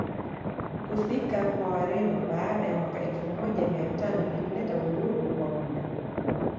kufika kwa Wareno baada ya mwaka elfu moja mia tano ilileta vurugu kwa muda